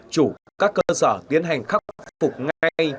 chủ các cơ sở tiến hành khắc phục ngay